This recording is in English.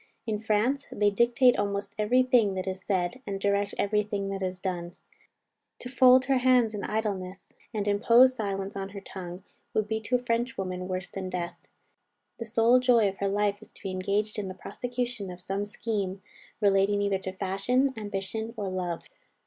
In France, they dictate almost every thing that is said, and direct every thing that is done. They are the most restless beings in the world. To fold her hands in idleness, and impose silence on her tongue, would be to a French woman worse than death. The sole joy of her life is to be engaged in the prosecution of some scheme, relating either to fashion, ambition, or love.